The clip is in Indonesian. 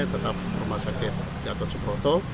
tetap rumah sakit gatot subroto